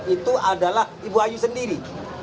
itu adalah ibu ayu sendiri